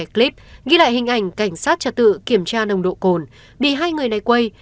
clip ghi lại hình ảnh cảnh sát trật tự kiểm tra nồng độ cồn bị hai người này quay